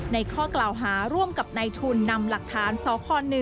ในข้อกล่าวหาร่วมกับนายทุนนำหลักฐานซ้อข้อ๑